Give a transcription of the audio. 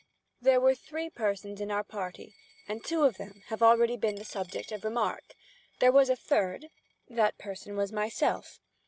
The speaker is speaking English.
There were three persons in our party, and two of them have already been the subject of remark. There was a third—that person was myself.